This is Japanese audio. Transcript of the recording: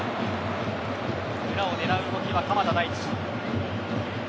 裏を狙う動きの鎌田大地。